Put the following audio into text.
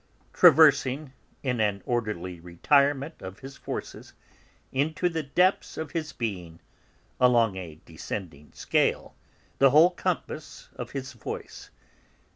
traversing, in an orderly retirement of his forces, into the depths of his being, along a descending scale, the whole compass of his voice.